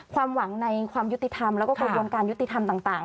ความหวังในความยุติธรรมแล้วก็กระบวนการยุติธรรมต่าง